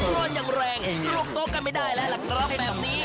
นอนอย่างแรงรวมโต๊ะกันไม่ได้แล้วล่ะครับแบบนี้